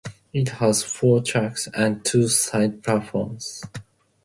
It has four tracks and two side platforms.